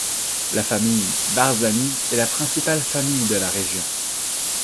La famille Barzani est la principale famille de la région.